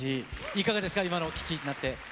いかがですか、今のお聞きになって。